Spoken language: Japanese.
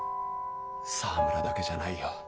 沢村だけじゃないよ。